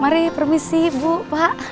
mari permisi bu pak